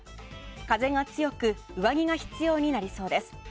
風が強く上着が必要になりそうです。